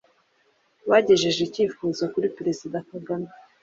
bagejeje icyifuzo kuri Perezida Kagame